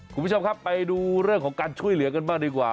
คุณผู้ชมครับไปดูเรื่องของการช่วยเหลือกันบ้างดีกว่า